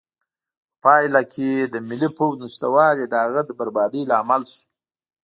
په پایله کې د ملي پوځ نشتوالی د هغه د بربادۍ لامل شو.